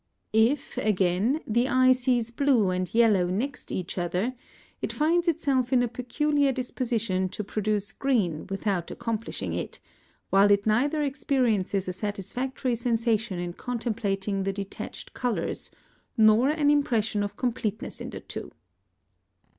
If, again, the eye sees blue and yellow next each other, it finds itself in a peculiar disposition to produce green without accomplishing it, while it neither experiences a satisfactory sensation in contemplating the detached colours, nor an impression of completeness in the two.